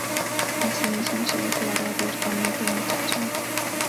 Asimismo, se declaró abiertamente homosexual.